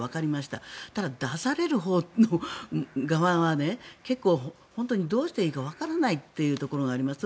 ただ、出される側は本当にどうしていいかわからないというところがあります。